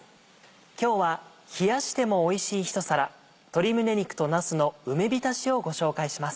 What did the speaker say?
今日は冷やしてもおいしい一皿「鶏胸肉となすの梅びたし」をご紹介します。